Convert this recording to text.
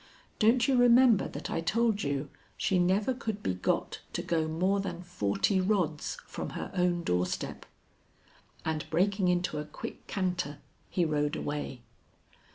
Don't you remember that I told you she never could be got to go more than forty rods from her own doorstep?" And, breaking into a quick canter, he rode away.